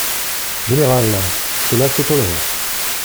Général, cela se tolère.